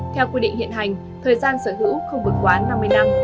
theo quy định hiện hành thời gian sở hữu không vượt quá năm mươi năm